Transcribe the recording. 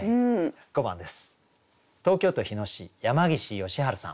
５番です。